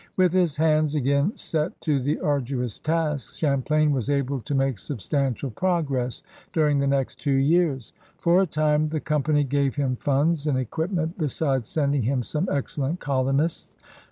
With his hands again set to the arduous tasks, Champlain was able to make substantial progress during the nert two years. For a time the Company gave him funds and equipment besides sending him some excellent colonists.